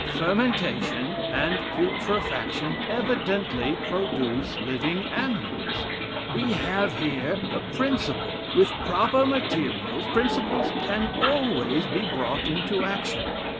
Fermentation and putrefaction evidently produce living animals. We have here the principle; with proper materials, principles can always be brought into action.